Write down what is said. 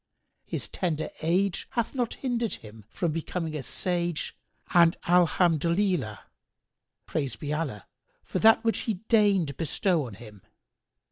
His tender age hath not hindered him from becoming a sage and Alhamdolillah—praised be Allah—for that which He deigned bestow on him!